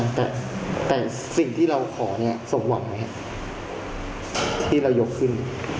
อ่ะแต่แต่สิ่งที่เราขอเนี้ยส่งหวังไหมฮะที่เรายกขึ้น